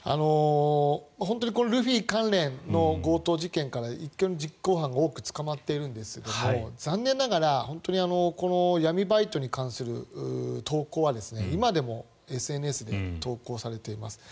本当にルフィ関連の事件から実行犯が多く捕まっているんですが残念ながら闇バイトに関する投稿は今でもＳＮＳで投稿されています。